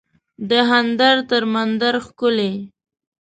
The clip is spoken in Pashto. دهاندر تر مندر ښکلی